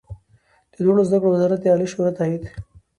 د لوړو زده کړو وزارت د عالي شورا تائید